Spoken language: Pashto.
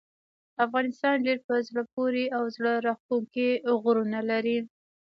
افغانستان ډیر په زړه پورې او زړه راښکونکي غرونه لري.